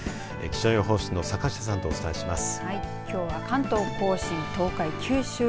気象予報士の坂下さんとお伝えします。